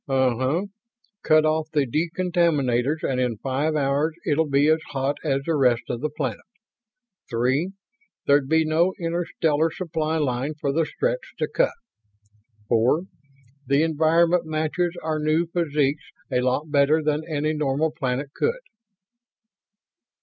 "Uh uh. Cut off the decontaminators and in five hours it'll be as hot as the rest of the planet. Three, there'd be no interstellar supply line for the Stretts to cut. Four, the environment matches our new physiques a lot better than any normal planet could."